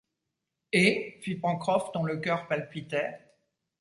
Et ? fit Pencroff, dont le cœur palpitait.